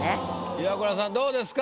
イワクラさんどうですか？